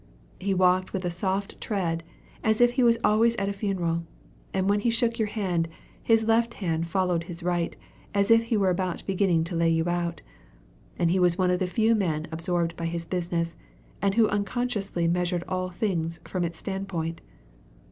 He walked with a soft tread, as if he was always at a funeral; and when he shook your hand, his left hand half followed his right, as if he were about beginning to lay you out. He was one of the few men absorbed by his business, and who unconsciously measured all things from its standpoint.